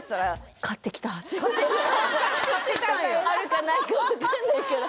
「あるかないか分かんないけど」